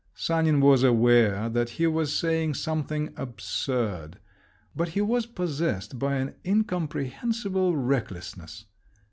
Sanin was aware that he was saying something absurd, but he was possessed by an incomprehensible recklessness!